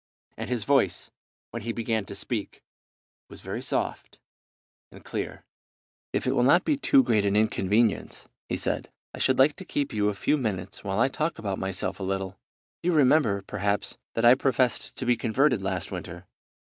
And his voice, when he began to speak, was very soft and clear. "If it will not be too great an inconvenience," he said; "I should like to keep you a few minutes while I talk about myself a little. You remember, perhaps, that I professed to be converted last winter.